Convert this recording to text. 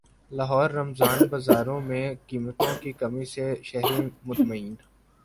لاہور رمضان بازاروں میں قیمتوں کی کمی سے شہری مطمئین